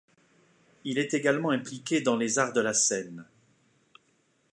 Il est également impliqué dans les arts de la scène.